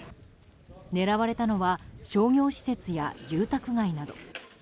狙われたのは商業施設や住宅街など。